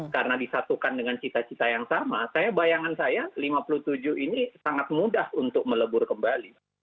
karena disatukan dengan cita cita yang sama bayangan saya lima puluh tujuh ini sangat mudah untuk melebur kembali